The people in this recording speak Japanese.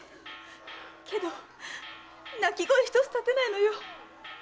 けど泣き声ひとつたてないの。